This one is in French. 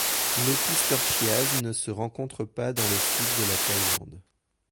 L'opistorchiase ne se rencontre pas dans le sud de la Thaïlande.